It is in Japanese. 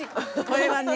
これはね